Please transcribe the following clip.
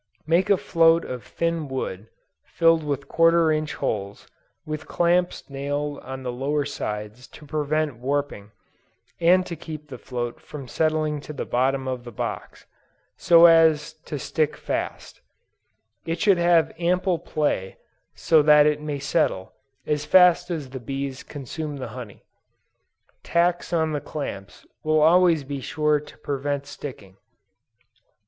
Make a float of thin wood, filled with quarter inch holes, with clamps nailed on the lower sides to prevent warping, and to keep the float from settling to the bottom of the box, so as to stick fast: it should have ample play, so that it may settle, as fast as the bees consume the honey. Tacks on the clamps will always be sure to prevent sticking.